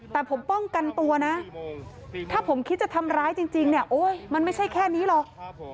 แต่ผมป้องกันตัวนะถ้าผมคิดจะทำร้ายจริงเนี่ยโอ๊ยมันไม่ใช่แค่นี้หรอก